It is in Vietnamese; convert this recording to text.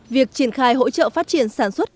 việc triển khai hỗ trợ phát triển sản xuất